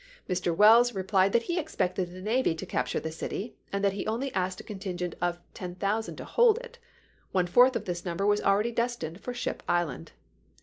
Mr. Welles replied that he expected the navy to capture the city, and that he only asked a contingent of 10,000 to hold it ; one fourth of this number was already destined for Ship Island.